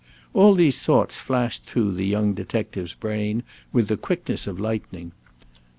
All these thoughts flashed through the young detective's brain with the quickness of lightning.